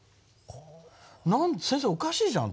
「何で先生おかしいじゃん。